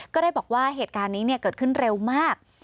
ก็ได้บอกว่าเหตุการณ์นี้เกิดขึ้นเร็วมาก